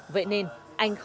vậy nên anh khó khăn